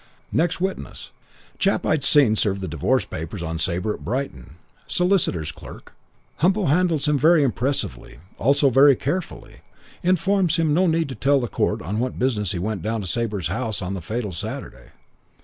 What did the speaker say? "Next witness. Chap I'd seen serve the divorce papers on Sabre at Brighton. Solicitor's clerk. Humpo handles him very impressively also very carefully. Informs him no need to tell the court on what business he went down to Sabre's house on the fatal Saturday.